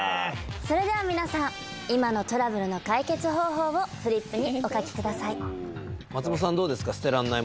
それでは皆さん今のトラブルの解決方法をフリップにお書きください。